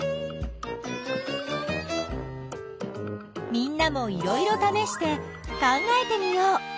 みんなもいろいろためして考えてみよう。